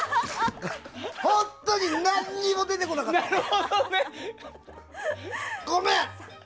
本当に、何も出てこなかったの。ごめん！